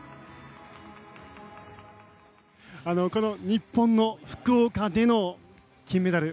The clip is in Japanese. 日本の福岡での金メダル。